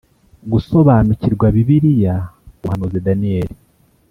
Gusobanukirwa Bibiliya Umuhanuzi Daniyeli